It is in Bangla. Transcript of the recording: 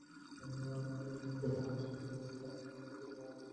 টোপন তখন বোকার মতো দাঁড়িয়ে ছিল বাঁ হাতে একটা পাথর নিয়ে।